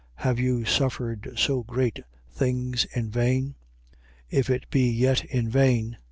3:4. Have you suffered so great things in vain? If it be yet in vain.